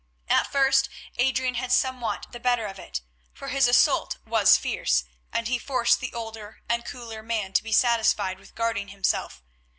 At first Adrian had somewhat the better of it, for his assault was fierce, and he forced the older and cooler man to be satisfied with guarding himself.